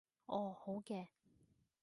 哦，好嘅